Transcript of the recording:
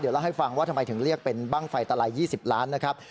เล่าให้ฟังว่าทำไมถึงเรียกเป็นบ้างไฟตลาย๒๐ล้านนะครับ